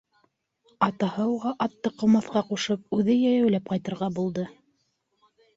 Атаһы уға атты ҡыумаҫҡа ҡушып, үҙе йәйәүләп ҡайтырға булды.